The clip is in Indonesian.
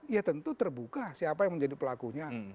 ya tentu terbuka siapa yang menjadi pelakunya